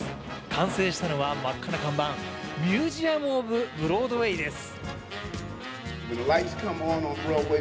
完成したのは真っ赤な看板ミュージアム・オブ・ブロードウェイです。